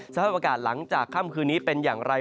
สภาพอากาศหลังจากค่ำคืนนี้เป็นอย่างไร